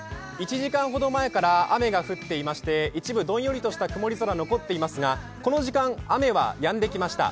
１時間ほど前から雨が降っていまして一部どんよりとした曇り空が残っていますが、この時間、雨はやんできました。